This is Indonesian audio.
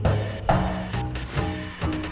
saya akan cerita soal ini